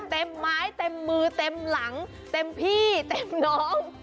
เต็มไม้เต็มมือเต็มหลังเต็มพี่เต็มน้อง